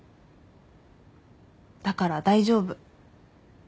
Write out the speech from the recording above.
だから大丈夫。